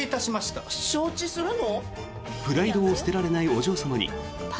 承知するの？